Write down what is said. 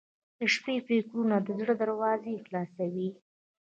• د شپې فکرونه د زړه دروازې خلاصوي.